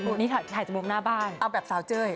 นี่ถ่ายจากวงหน้าบ้านเอาแบบสาวเจ้ย